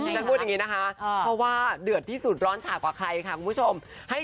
รูปคู่ก็ไม่เบานะคะว่าเดือดที่สุดร้อนฉากหากไครค่ะคุณผู้ชม